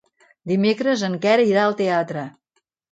Dimecres en Quer irà al teatre.